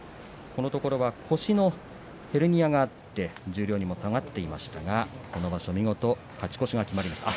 このところ腰のヘルニアがあって十両にも下がっていましたが今場所、見事に勝ち越しが決まりました。